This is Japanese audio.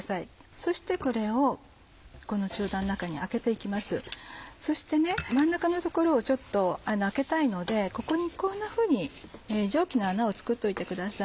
そして真ん中の所をちょっと空けたいのでここにこんなふうに蒸気の穴を作っておいてください。